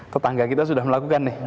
tetangga kita sudah melakukan nih